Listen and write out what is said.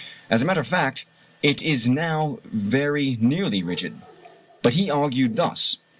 As a matter of fact it is now very nearly rigid. But he argued thus.